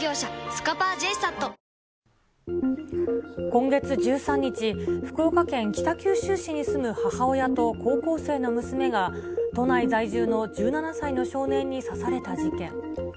今月１３日、福岡県北九州市に住む母親と高校生の娘が、都内在住の１７歳の少年に刺された事件。